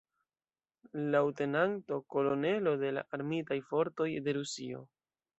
Leŭtenanto Kolonelo de la Armitaj Fortoj de Rusio.